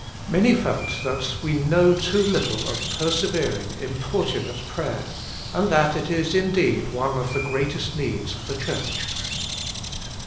Many felt that we know too little of persevering importunate prayer, and that it is indeed one of the greatest needs of the Church.